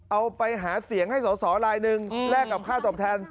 เอาไปหาเสียงให้สอสอลายหนึ่งแลกกับค่าตอบแทน